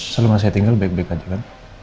selama saya tinggal baik baik aja kan